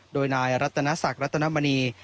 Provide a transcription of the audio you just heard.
โดยนายรัตนศักดิ์รัตนมณี